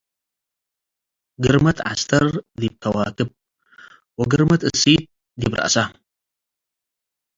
ግርመት ዐስተር ዲብ ከዋክብ ወግርመት እሲት ዲብ ረአሰ።